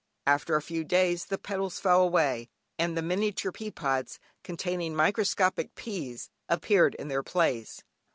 After a few days the petals fell away, and miniature pea pods, containing microscopic peas appeared in their place.